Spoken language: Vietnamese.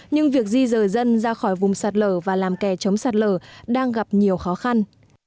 nhưng việc di rời dân ra khỏi vùng sạt lở và làm kè chống sạt lở đang gặp nhiều khó khăn